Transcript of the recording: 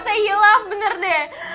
saya hilaf bener deh